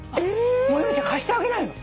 もう由美ちゃん貸してあげないの？